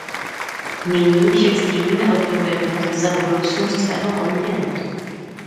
Nyní však sdílíme odpovědnost za budoucnost svého kontinentu.